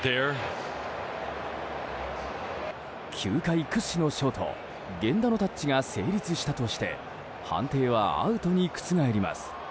球界屈指のショート源田のタッチが成立したとして判定はアウトに覆ります。